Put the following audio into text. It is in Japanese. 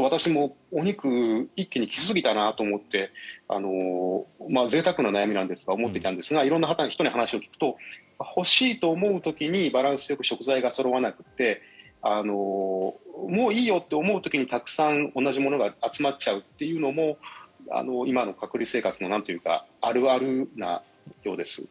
私もお肉一気に来すぎたなと思ってぜいたくな悩みなんですが思っていたんですが色んな人に話を聞くと欲しいと思う時にバランスよく食材がそろわなくてもういいよって思う時にたくさん同じものが集まっちゃうというのも今の隔離生活のあるあるなようです。